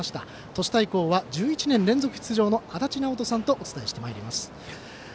都市対抗は１１年連続出場の足達尚人さんとお伝えしてまいります。